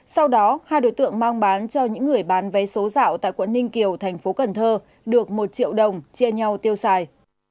sau đó hai đối tượng mang bán cho những người bán vé số dạo tại quận ninh kiều thành phố cần thơ được một triệu đồng chia nhau tiêu xài